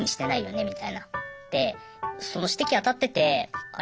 でその指摘当たっててあれ？